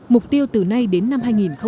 mục tiêu từ nay đến năm hai nghìn ba mươi